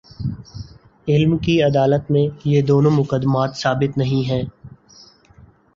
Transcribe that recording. علم کی عدالت میں، یہ دونوں مقدمات ثابت نہیں ہیں۔